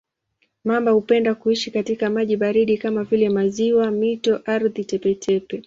Mamba hupenda kuishi katika maji baridi kama vile maziwa, mito, ardhi tepe-tepe.